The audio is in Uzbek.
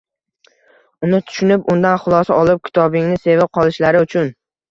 uni tushunib, undan xulosa olib kitobingni sevib qolishlari uchun